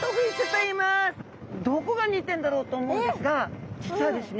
どこが似てんだろうと思うんですが実はですね